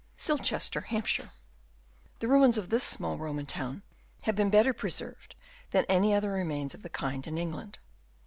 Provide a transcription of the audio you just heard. Silchester, Hampshire. — The ruins of this small E oman town have been better pre served than any other remains of the kind in England.